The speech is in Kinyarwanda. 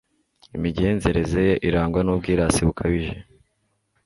imigenzereze ye irangwa n'ubwirasi bukabije